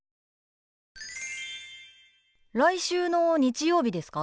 来週の日曜日ですか？